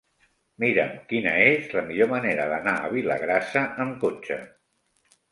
Mira'm quina és la millor manera d'anar a Vilagrassa amb cotxe.